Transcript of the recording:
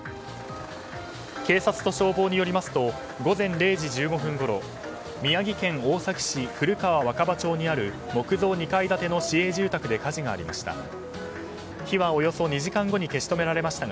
警察と消防によりますと午前０時１５分ごろ宮城県大崎市古川若葉町にある木造２階建ての市営住宅で火事がありました。